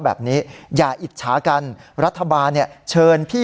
รัฐมนตรีเขาไม่ไขว่การเดินเดินแอบนี้